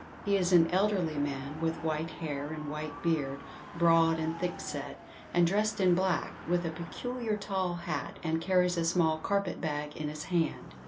He is an elderly man, with white hair and white beard, broad and thick set, and dressed in black, with a peculiar tall hat, and carries a small carpet bag in his hand.